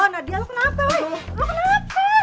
nadi lo kenapa weh lo kenapa